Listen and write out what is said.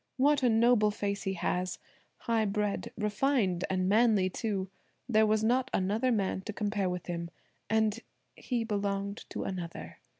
What a noble face he has! high bred, refined, and manly, too! There was not another man to compare with him; and–he belonged to another.